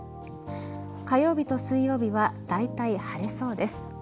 火曜日と水曜日はだいたい晴れそうです。